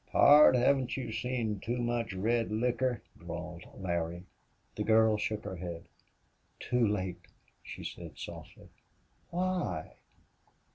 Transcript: "Pard, haven't you seen too much red liquor?" drawled Larry. The girl shook her head. "Too late!" she said, softly. "Why?"